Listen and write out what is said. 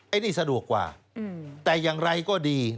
อันนี้สะดวกกว่าแต่อย่างไรก็ดี